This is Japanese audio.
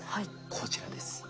こちらです。